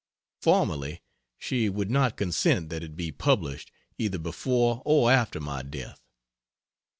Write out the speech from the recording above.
Formerly she would not consent that it be published either before or after my death.